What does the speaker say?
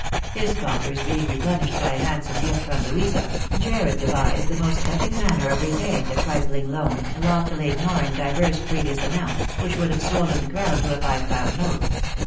His coffers being replenished by a handsome gift from Louisa, Jarred devised the most cut ting manner of repaying the trifling loan, loftily ignoring divers previous amounts, which would have swollen the crown to a five pound note.